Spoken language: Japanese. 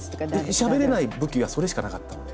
しゃべれない武器がそれしかなかったので。